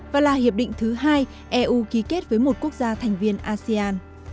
và là hiệp định thứ hai eu ký kết với một quốc gia thành viên asean